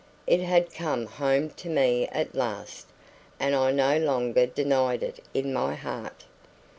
It had come home to me at last, and I no longer denied it in my heart.